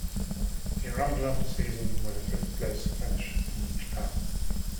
He rounded off the season with a fifth-place finish in Japan.